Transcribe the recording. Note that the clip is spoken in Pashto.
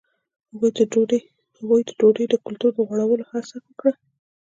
هغوی د ډوډۍ د کلتور د غوړولو هڅه وکړه.